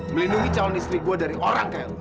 melindungi calon istri gue dari orang kayak lo